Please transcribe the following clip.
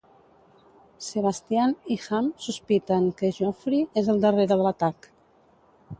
Sebastian i Ham sospiten que Geoffrey és al darrere de l'atac.